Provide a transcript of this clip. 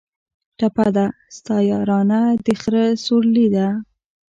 ټپه ده: ستا یارانه د خره سورلي ده